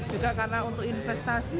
juga karena untuk investasi